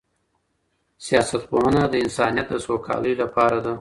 سیاست پوهنه د انسانیت د سوکالۍ لپاره ده.